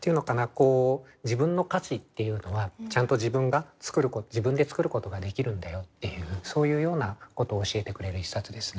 こう「自分の価値っていうのはちゃんと自分でつくることができるんだよ」っていうそういうようなことを教えてくれる一冊ですね。